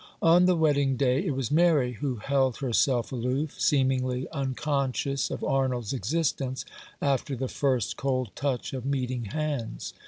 On the wedding day it was Mary who held herself aloof, seemingly unconscious of Arnold's existence after the first cold touch of meeting hands.